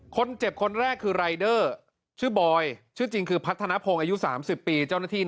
คนเจ็บคนแรกคือรายเดอร์ชื่อบอยชื่อจริงคือพัฒนภงอายุ๓๐ปี